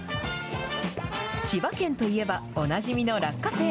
千葉県といえば、おなじみの落花生。